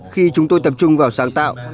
khi chúng tôi tập trung vào sáng tạo